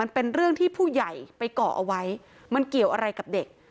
มันเป็นเรื่องที่ผู้ใหญ่ไปเกาะเอาไว้มันเกี่ยวอะไรกับเด็ก